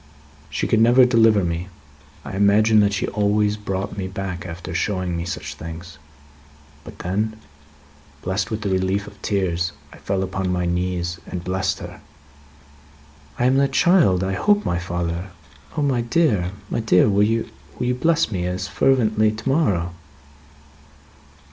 She could never deliver me; I imagined that she always brought me back after showing me such things. But then, blessed with the relief of tears, I fell upon my knees, and blessed her." "I am that child, I hope, my father. O my dear, my dear, will you bless me as fervently to morrow?"